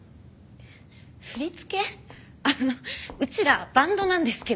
あのうちらバンドなんですけど